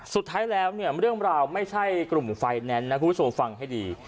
สุดท้ายแล้วเนี่ยเรื่องราวไม่ใช่กลุ่มไฟแนนซ์นะคุณผู้ชมฟังให้ดี